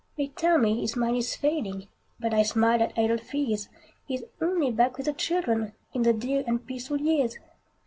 They tell me his mind is failing, But I smile at idle fears; He is only back with the children, In the dear and peaceful years.